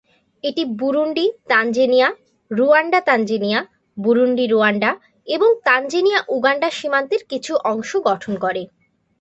এটি Burundi Tanzania, Rwanda Tanzania, Burundi Rwanda এবং Tanzania Uganda সীমান্তের কিছু অংশ গঠন করে।